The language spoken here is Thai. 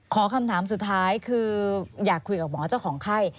คำถามสุดท้ายคืออยากคุยกับหมอเจ้าของไข้